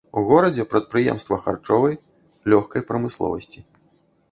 У горадзе прадпрыемства харчовай, лёгкай прамысловасці.